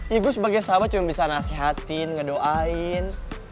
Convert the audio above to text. ya gue sebagai sahabat cuma bisa nasihatin ngedoain